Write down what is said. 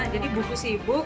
jadi buku sih ibu